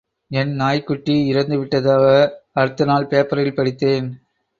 என் நாய்க்குட்டி இறந்து விட்டதாக அடுத்த நாள் பேப்பரில் படித்தேன்.